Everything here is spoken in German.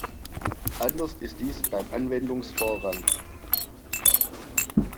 Anders ist dies beim Anwendungsvorrang.